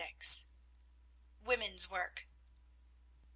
WOMEN'S WORK.